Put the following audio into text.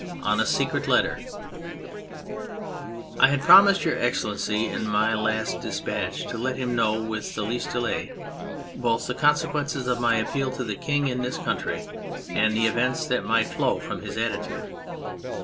88 A SECRET LETTER I HAD promised Your Excellency in my last dis patch to let him know with the least delay both the consequences of my appeal to the King in this country and the events that might flow from his attitude.